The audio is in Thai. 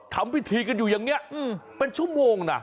ทำพิธีกันอยู่อย่างนี้เป็นชั่วโมงนะ